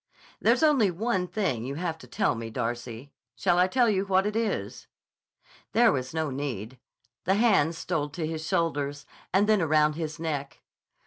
"There's only one thing you have to tell me, Darcy. Shall I tell you what it is?" There was no need. The hands stole to his shoulders, and then around his neck.